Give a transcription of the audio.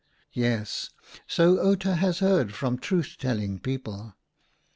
Yes, so Outa has heard from truth telling people.